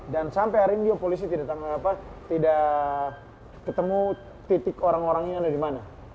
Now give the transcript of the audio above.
dan sampai hari ini polisi tidak ketemu titik orang orang ini ada dimana